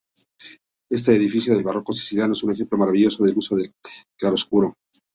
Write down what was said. Este edificio del barroco siciliano es un ejemplo maravilloso del uso del claroscuro.